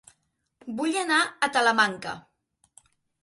Vull anar a Talamanca